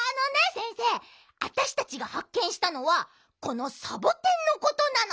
先生あたしたちがはっけんしたのはこのサボテンのことなの。